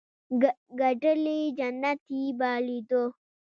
ګټلې جنت يې بايلودو.